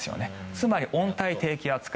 つまり温帯低気圧化。